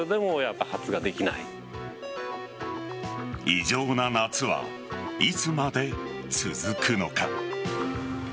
異常な夏はいつまで続くのか。